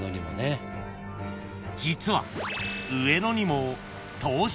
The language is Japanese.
［実は］